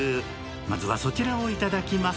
まずはそちらをいただきます。